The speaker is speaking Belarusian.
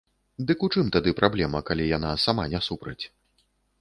Дык у чым тады праблема, калі яна сама не супраць?